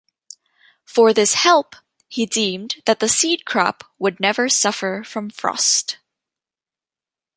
For this help he deemed that the seed crop would never suffer from frost.